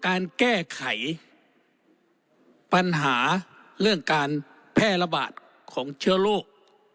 การแก้ไขปัญหาเรื่องการแพร่ระบาดของเชื้อโรค